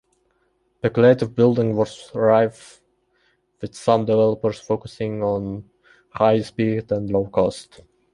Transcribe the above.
Speculative building was rife, with some developers focussing on high speed and low cost.